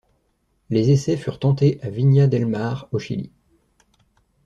Les essais furent tentés à Viña del Mar au Chili.